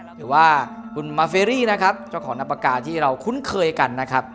หรือว่าคุณมาเฟรี่นะครับเจ้าของนำปากกาที่เราคุ้นเคยกันนะครับ